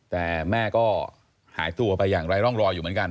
แต่แม่ก็หายตัวไปอย่างไร้ร่องรอยอยู่เหมือนกัน